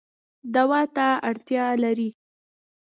دوا ته اړتیا لرئ